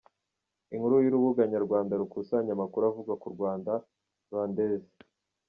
Inkuru y’urubuga nyarwanda rukusanya amakuru avuga ku Rwanda, rwandaises.